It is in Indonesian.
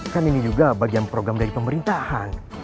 kan ini juga bagian program dari pemerintahan